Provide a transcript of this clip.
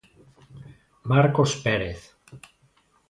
Marcos Pérez.